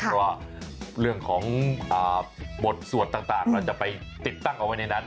เพราะว่าเรื่องของบทสวดต่างเราจะไปติดตั้งเอาไว้ในนั้น